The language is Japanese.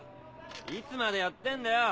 ・いつまでやってんだよ！